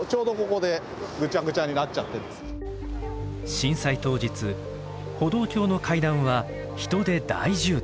震災当日歩道橋の階段は人で大渋滞。